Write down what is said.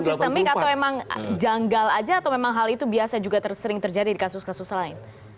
sistemik atau memang janggal aja atau memang hal itu biasa juga tersering terjadi di kasus kasus lain